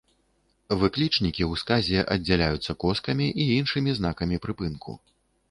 Выклічнікі ў сказе аддзяляюцца коскамі і іншымі знакамі прыпынку.